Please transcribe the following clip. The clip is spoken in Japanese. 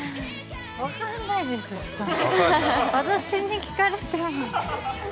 分かんないです、私に聞かれても。